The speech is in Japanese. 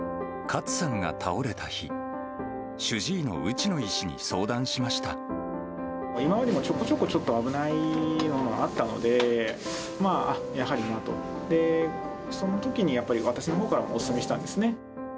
カツさんが倒れた日、主治医今までもちょこちょこちょっと危ないのがあったので、まあ、あ、やはりなと。そのときにやっぱり、私のほうからお勧めしたんですね。